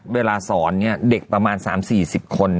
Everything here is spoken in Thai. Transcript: เวลาสอนเด็กประมาณ๓๔๐คน